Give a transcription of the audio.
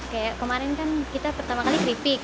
kayak kemarin kan kita pertama kali keripik